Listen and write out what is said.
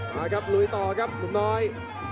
นะครับอย่ารวยต่อกับนุ่มน้อย